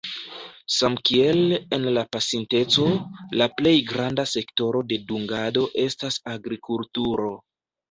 Samkiel en la pasinteco, la plej granda sektoro de dungado estas agrikulturo.